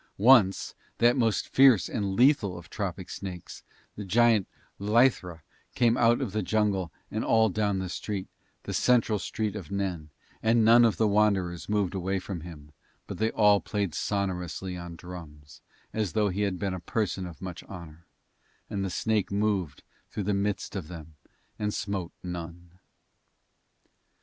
Once that most fierce and lethal of tropic snakes, the giant lythra, came out of the jungle and all down the street, the central street of Nen, and none of the Wanderers moved away from him, but they all played sonorously on drums, as though he had been a person of much honour; and the snake moved through the midst of them and smote none.